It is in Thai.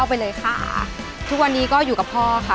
อายุ๒๔ปีวันนี้บุ๋มนะคะ